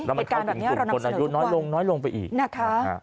แล้วมันเข้าถึงสุดคนอายุน้อยลงไปอีก